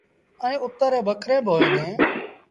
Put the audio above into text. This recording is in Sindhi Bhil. ائيٚݩ اُتر ريٚݩ ٻڪريݩ با هوئين ديٚݩ۔